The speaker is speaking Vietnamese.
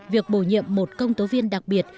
việc bổ nhiệm một công tố viên đặc biệt